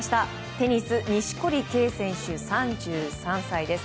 テニス錦織圭選手、３３歳です。